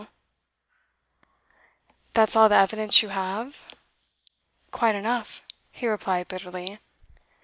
'That is all the evidence you have?' 'Quite enough,' he replied bitterly.